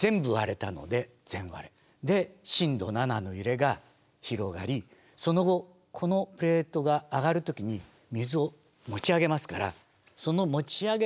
震度７の揺れが広がりその後このプレートが上がる時に水を持ち上げますからその持ち上げた水が津波になって。